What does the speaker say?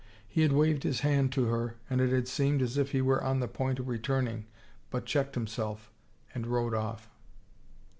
He had waved his hand to her and it had seemed as if he were on the point of return ing, but checked himself, and rode off.